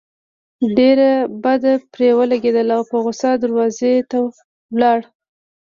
ډېر بد پرې ولګېدل او پۀ غصه دروازې له لاړه